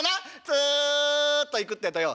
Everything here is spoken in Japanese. ツッと行くってえとよ